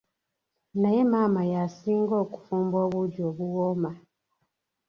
Naye maama ya'singa okufumba obuugi obuwooma!